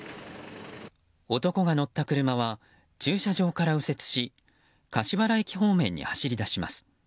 男が乗った車は駐車場から右折し柏原駅方面に走り出します。